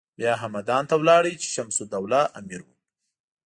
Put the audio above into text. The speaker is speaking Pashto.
بیا همدان ته لاړ چې شمس الدوله امیر و.